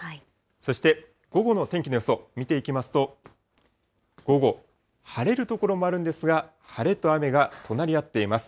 そして午後の天気の予想を見ていきますと、午後、晴れる所もあるんですが、晴れと雨が隣り合っています。